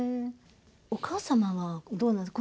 お母様はどうなんですか